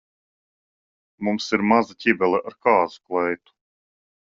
Mums ir maza ķibele ar kāzu kleitu.